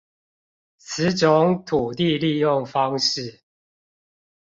此種土地利用方式